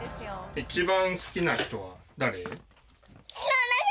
一番好きな人は誰？